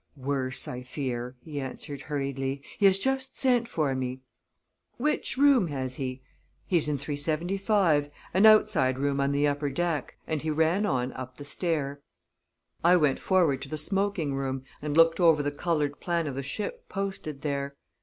"Worse, I fear," he answered hurriedly. "He has just sent for me." "Which room has he?" "He's in 375; an outside room on the upper deck," and he ran on up the stair. I went forward to the smoking room, and looked over the colored plan of the ship posted there.